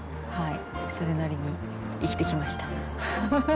それなりに生きてきました。